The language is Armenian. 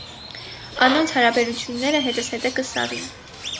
Անոնց յարաբերութիւնները հետզհետէ կը սառին։